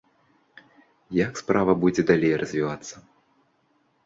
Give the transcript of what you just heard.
Як справа будзе далей развівацца?